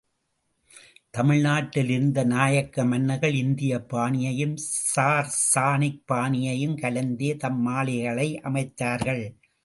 தமிழ்நாட்டில் இருந்த நாயக்க மன்னர்கள், இந்தியப் பாணியையும் சார் சானிக் பாணியையும் கலந்தே தம் மாளிகைகளை அமைத்தார்கள்.